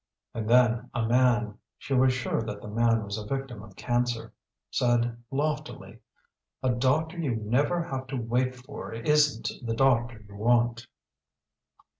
And then a man she was sure that man was a victim of cancer said loftily: "A doctor you never have to wait for isn't the doctor you want."